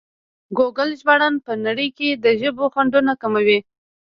ګوګل ژباړن په نړۍ کې د ژبو خنډونه کموي.